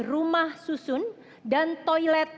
rumah susun dan toilet